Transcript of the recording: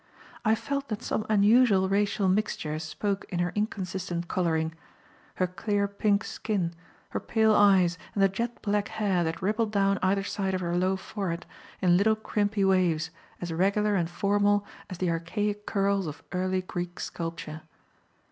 I felt that some unusual racial mixture spoke in her inconsistent colouring; her clear, pink skin, her pale eyes and the jet black hair that rippled down either side of her low forehead in little crimpy waves, as regular and formal as the "archaic curls" of early Greek sculpture.